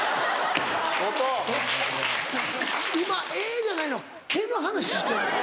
今「え」じゃないの「け」の話してんの。